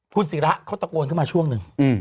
คุณศิระเขาตะโกนขึ้นมาช่วงหนึ่ง